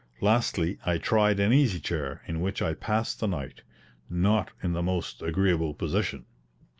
Lastly, I tried an easy chair, in which I passed the night, not in the most agreeable position.